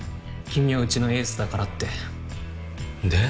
「君はうちのエースだから」ってで？